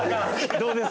どうですか？